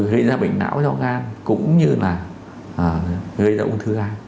gây ra bệnh não do gan cũng như là gây ra ung thư ga